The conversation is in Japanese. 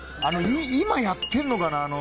今、やってるのかな？